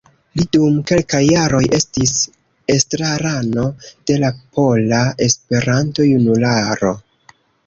Li dum kelkaj jaroj estis estrarano de la Pola Esperanto-Junularo.